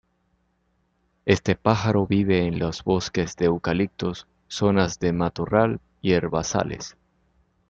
Este pájaro vive en los bosques de eucaliptos, zonas de matorral y herbazales.